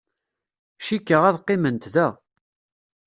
Cikkeɣ ad qqiment da.